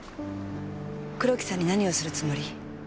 黒木さんに何をするつもり？